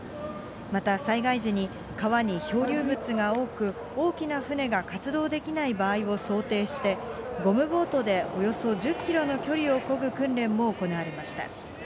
また災害時に、川に漂流物が多く、大きな船が活動できない場合を想定して、ゴムボートでおよそ１０キロの距離をこぐ訓練も行われました。